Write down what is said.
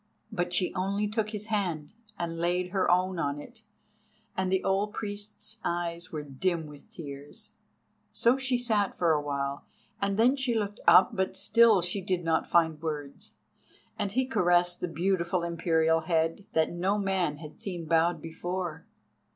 But she only took his hand, and laid her own in it, and the old priest's eyes were dim with tears. So she sat for awhile, and then she looked up, but still she did not find words. And he caressed the beautiful Imperial head, that no man had seen bowed before.